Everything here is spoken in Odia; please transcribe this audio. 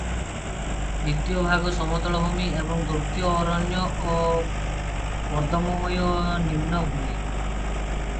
ଦ୍ୱିତୀୟ ଭାଗ ସମତଳଭୂମି ଏବଂ ତୃତୀୟ ଅରଣ୍ୟ ଓ କର୍ଦ୍ଦମମୟ ନିମ୍ନଭୂମି ।